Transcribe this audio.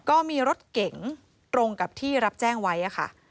ก็มีรถเก๋งตรงกับที่รับแจ้งไว้ค่ะ